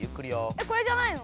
えこれじゃないの？